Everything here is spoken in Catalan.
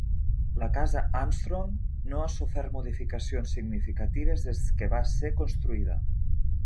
La Casa Armstrong no ha sofert modificacions significatives des que va ser construïda.